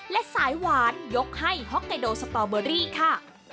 และสายหวานยกให้ฮอกไกโดสตอเบอรี่ค่ะ